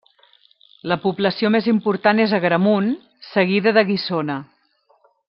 La població més important és Agramunt, seguida de Guissona.